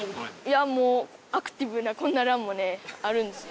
いやもうアクティブなこんなランもねあるんですよ。